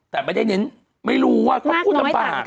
แต่ไม่ได้เน้นไม่รู้ว่าเขาคุณภาพ